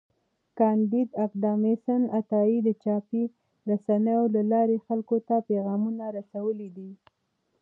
کانديد اکاډميسن عطایي د چاپي رسنیو له لارې خلکو ته پیغامونه رسولي دي.